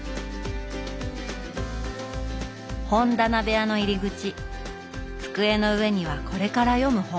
本棚部屋の入り口机の上にはこれから読む本。